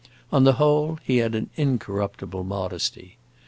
On the whole, he had an incorruptible modesty.